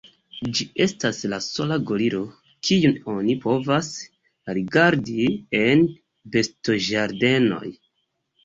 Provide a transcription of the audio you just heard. Ĝi estas la sola gorilo, kiun oni povas rigardi en bestoĝardenoj.